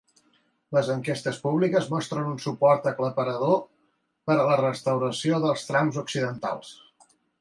Les enquestes públiques mostren un suport aclaparador per a la restauració dels trams occidentals.